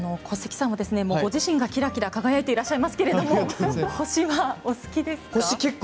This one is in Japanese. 小関さんもご自身がキラキラ輝いていらっしゃいますけど星はお好きですか？